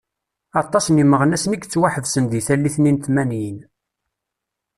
Aṭas n imeɣnasen i yettwaḥebsen di tallit-nni n tmanyin.